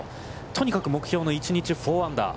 とにかく目標の１日４アンダー。